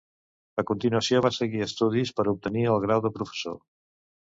A continuació, va seguir estudis per obtenir el grau de professor.